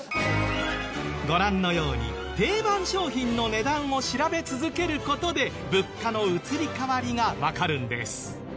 ご覧のように定番商品の値段を調べ続ける事で物価の移り変わりがわかるんです。